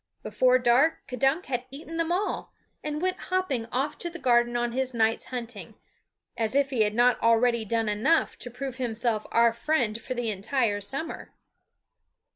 Before dark K'dunk had eaten them all, and went hopping off to the garden on his night's hunting as if he had not already done enough to prove himself our friend for the entire summer.